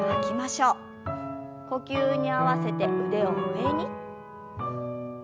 呼吸に合わせて腕を上に。